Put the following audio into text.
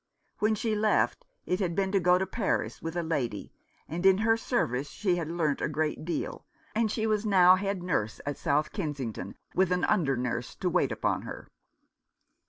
When she left it had been to go to Paris with a lady, and in her service she had learnt a great deal, and she was now head nurse at South Kensington, with an under nurse to wait upon her.